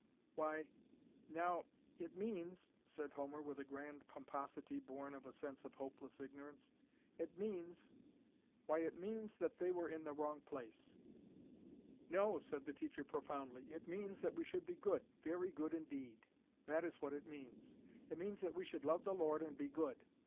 "Why now it means," said Homer, with a grand pomposity born of a sense of hopeless ignorance "it means why it means that they were in the wrong place." "No," said the teacher, profoundly; "it means that we should be good, very good indeed. That is what it means. It means that we should love the Lord and be good.